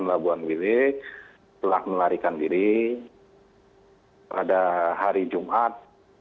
labuan bilik telah melarikan diri pada hari jumat